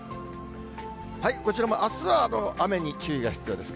こちらもあすは雨に注意が必要です。